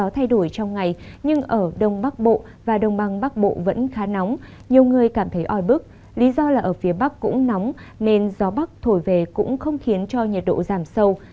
tuy nhiên gió bắc thổi về cũng không khiến cho nhiệt độ giảm sâu